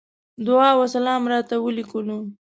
دعا وسلام راته وليکلو.